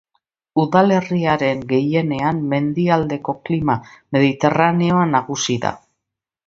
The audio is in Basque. Udalerriaren gehienean mendialdeko klima mediterraneoa nagusi da.